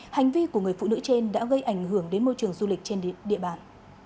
hành vi của người phụ nữ trên đã gây ảnh hưởng đến môi trường du lịch trên địa bàn